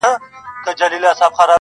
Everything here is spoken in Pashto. رسنۍ راپورونه جوړوي او خلک پرې خبري کوي,